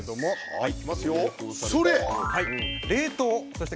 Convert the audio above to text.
はい。